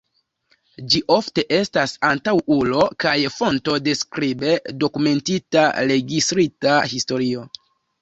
Ĝi ofte estas antaŭulo kaj fonto de skribe dokumentita registrita historio.